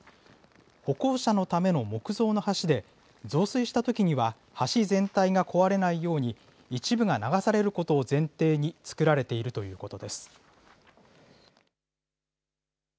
歩行者のための木造の橋で、増水したときには橋全体が壊れないように、一部が流されることを前提につくられているということです。